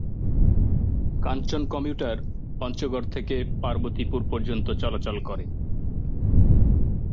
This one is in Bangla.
কাঞ্চন কমিউটার পঞ্চগড় থেকে পার্বতীপুর পর্যন্ত চলাচল করে।